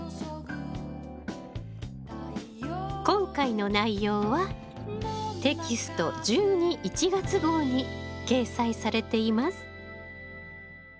今回の内容はテキスト１２・１月号に掲載されています。